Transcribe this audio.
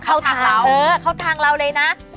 เออเข้าทางเราเลยนะ